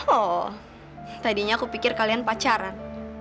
oh tadinya aku pikir kalian pacaran